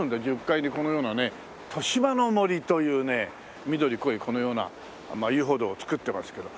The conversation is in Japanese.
１０階にこのような豊島の森というね緑濃いこのような遊歩道を作ってますけど。